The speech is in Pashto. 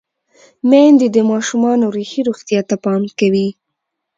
میندې د ماشومانو روحي روغتیا ته پام کوي۔